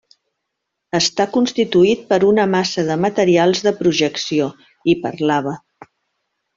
Està constituït per una massa de materials de projecció i per lava.